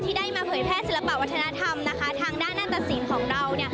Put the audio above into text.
ที่ได้มาเผยแพทย์ศิลปะวัฒนธรรมทางด้านหน้าตะศิลป์ของเรา